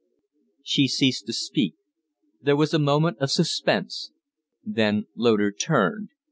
She ceased to speak; there was a moment of suspense; then Loder turned.